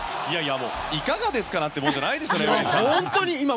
いかがですかなんてもんじゃないですよ。